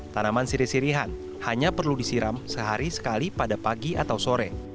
tanaman siri sirihan hanya perlu disiram sehari sekali pada pagi atau sore